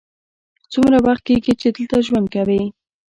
څومره وخت کیږی چې دلته ژوند کوې؟